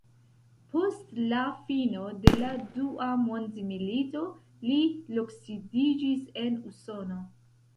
Post la fino de la dua mondmilito li loksidiĝis en Usono.